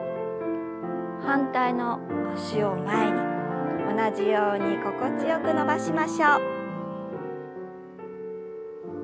反対の脚を前に同じように心地よく伸ばしましょう。